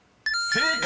［正解！